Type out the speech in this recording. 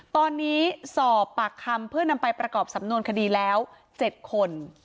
ตอนนี้สอบปากคำเพื่อนำไปประกอบสำนวนคดีแล้ว๗คน